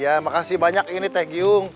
ya makasih banyak ini teh giung